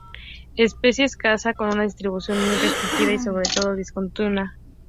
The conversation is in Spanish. Especie escasa con una distribución muy restringida y sobre todo discontinua.